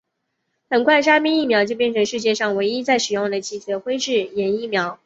很快沙宾疫苗就变成世界上唯一在使用的脊髓灰质炎疫苗。